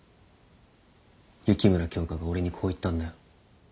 雪村京花が俺にこう言ったんだよ。